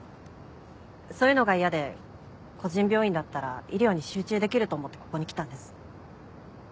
そういうのが嫌で個人病院だったら医療に集中できると思ってここに来たんです。